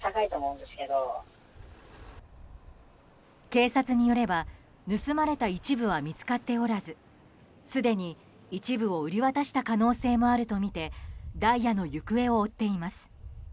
警察によれば盗まれた一部は見つかっておらずすでに一部を売り渡した可能性もあるとみてダイヤの行方を追っています。